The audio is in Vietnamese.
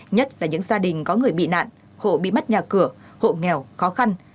nhất là những gia đình có người bị nạn hộ bị mất nhà cửa hộ nghèo khó khăn